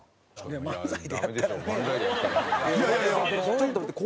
ちょっと待って。